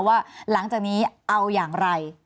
ว่าหลังจากนี้เอาอย่างไร